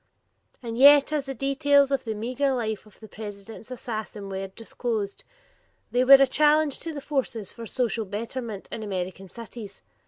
And yet as the details of the meager life of the President's assassin were disclosed, they were a challenge to the forces for social betterment in American cities.